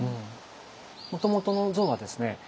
もともとの像はですね